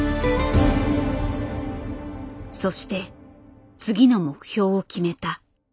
そして次の目標を決めた。